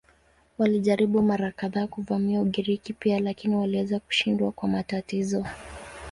Walijaribu mara kadhaa kuvamia Ugiriki pia lakini waliweza kushindwa kwa matatizo.